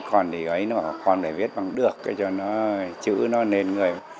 còn thì ấy nó bảo con phải viết bằng được cho nó chữ nó lên người